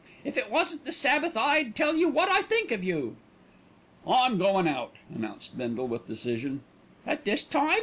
If it wasn't the Sabbath I'd tell you wot I think of you." "I'm goin' out," announced Bindle with decision. "At this time?